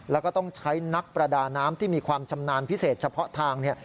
แล้วก็ต้องใช้นักประดาน้ำที่มีความชำนาญพิเศษเฉพาะทางเนี่ย